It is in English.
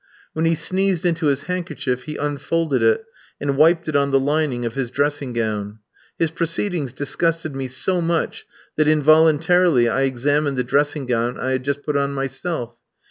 When he sneezed into his handkerchief he unfolded it and wiped it on the lining of his dressing gown. His proceedings disgusted me so much that involuntarily I examined the dressing gown I had just put on myself.